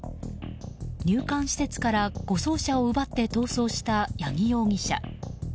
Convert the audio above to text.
入管施設から護送車を奪って逃走した八木容疑者。